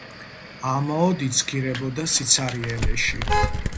ამაოდ იცქირებოდა სიცარიელეში.